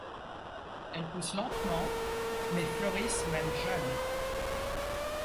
Elles poussent lentement mais fleurissent même jeunes.